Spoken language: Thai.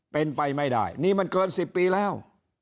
เป็นไปไม่ได้นี่มันเกิน๑๐ปีแล้ว